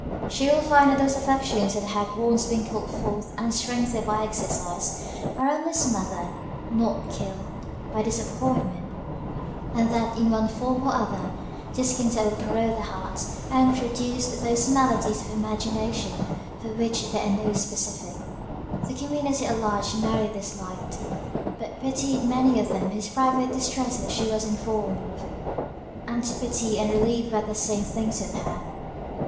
She will find that those affections that have once been called forth and strengthened by exercise, are only smothered, not killed, by disappointment; and that in one form or other discontent will corrode the heart, and produce those maladies of the imagination, for which there is no specific. The community at large Mary disliked; but pitied many of them whose private distresses she was informed of; and to pity and relieve were the same things with her.